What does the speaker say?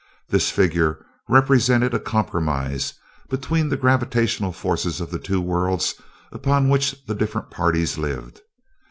This figure represented a compromise between the gravitational forces of the two worlds upon which the different parties lived.